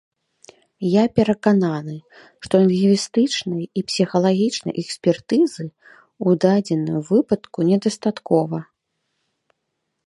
Я перакананы, што лінгвістычнай і псіхалагічнай экспертызы ў дадзеным выпадку недастаткова.